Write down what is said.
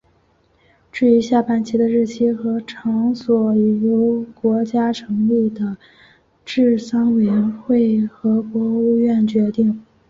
至于下半旗的日期和场所则由国家成立的治丧委员会或国务院决定。